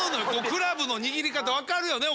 クラブの握り方分かるよね？